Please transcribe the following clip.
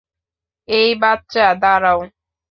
এই বাচ্চা দাঁড়াও।